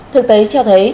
thực tế cho thấy